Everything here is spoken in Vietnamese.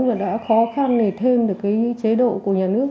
và đã khó khăn để thêm được cái chế độ của nhà nước